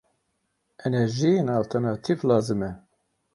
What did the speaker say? Enerjiyên alternatîv lazim e.